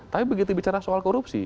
tapi begitu bicara soal korupsi